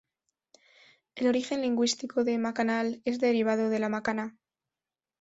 El origen lingüístico de Macanal es derivado de la macana.